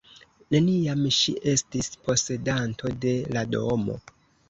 Neniam ŝi estis posedanto de la domo.